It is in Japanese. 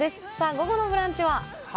午後の「ブランチ」は？